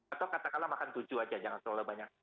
atau katakanlah makan tujuh aja jangan terlalu banyak